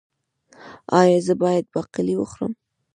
ایا زه باید باقلي وخورم؟